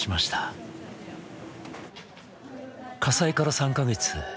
火災から３カ月。